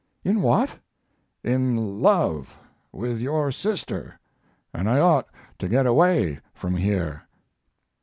"In what!" "In love with your sister, and I ought to get away from here."